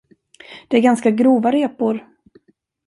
Det är ganska grova repor.